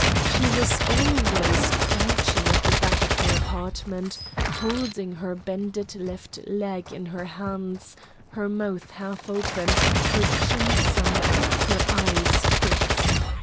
She was almost always crouching at the back of her apartment, holding her bended left leg in her hands, her mouth half open, her chin sunk, her eye fixed.